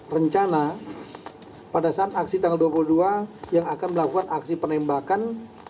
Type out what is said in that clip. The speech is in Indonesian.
rencana pada saat aksi tanggal dua puluh dua yang akan melakukan aksi penembakan